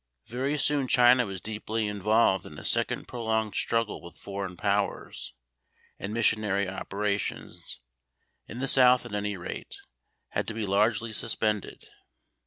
Very soon China was deeply involved in a second prolonged struggle with foreign powers; and missionary operations, in the South at any rate, had to be largely suspended.